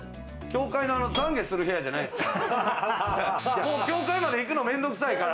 教会のざんげする部屋じゃないですか？